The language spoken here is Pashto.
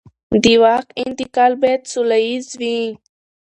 د واک انتقال باید سوله ییز وي